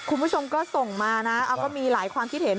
คุณผู้ชมก็ส่งมานะก็มีหลายความคิดเห็น